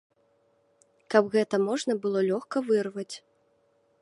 Каб гэта можна было лёгка вырваць.